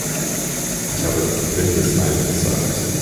Ich habe 'Windeseile' gesagt.